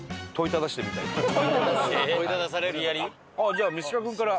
じゃあ満島君から。